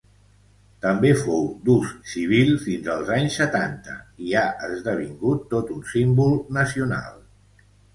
També fou d'ús civil fins als anys setanta, i ha esdevingut tot un símbol nacional.